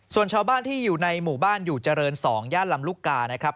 ส่วนชาวบ้านที่อยู่ในหมู่บ้านอยู่เจริญ๒ย่านลำลูกกานะครับ